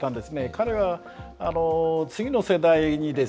彼は次の世代にですね